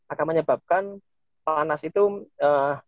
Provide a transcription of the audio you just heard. akan menyebabkan panas itu terkumpul di tubuh manusia